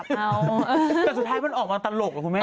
แต่สุดท้ายมันออกมาตลกเหรอคุณแม่